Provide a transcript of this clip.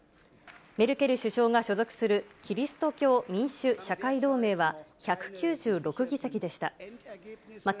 メルケル首相が所属するキリスト教民主・社会同盟は１９６議席でした。